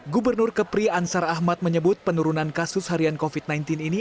gubernur kepri ansar ahmad menyebut penurunan kasus harian covid sembilan belas ini